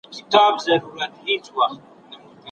نستعلیق اسانه نه دی.